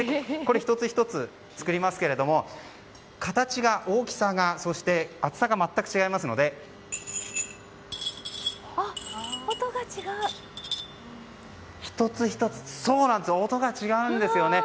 １つ１つ作りますが形が、大きさが、そして厚さが全く違いますので１つ１つ、音が違うんですよね。